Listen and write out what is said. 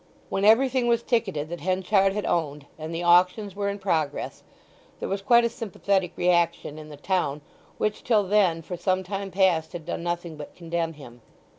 When everything was ticketed that Henchard had owned, and the auctions were in progress, there was quite a sympathetic reaction in the town, which till then for some time past had done nothing but condemn him.